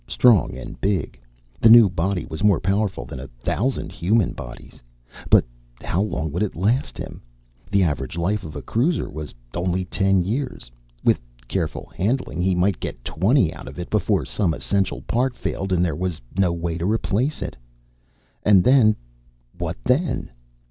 Strong and big. The new body was more powerful than a thousand human bodies. But how long would it last him? The average life of a cruiser was only ten years. With careful handling he might get twenty out of it, before some essential part failed and there was no way to replace it. And then, what then?